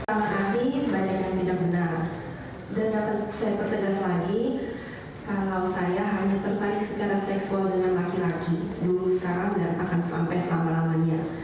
dulu sekarang dan akan sampai selama lamanya